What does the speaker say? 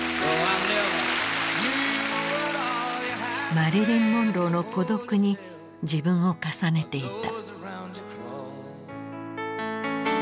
マリリン・モンローの孤独に自分を重ねていた。